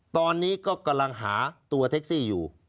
ตอนนี้ก็กำลังหาตัวแท็กซี่อยู่